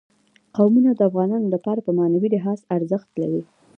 قومونه د افغانانو لپاره په معنوي لحاظ ارزښت لري.